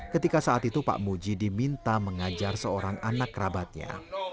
ketika saat itu pak muji diminta mengajar seorang anak kerabatnya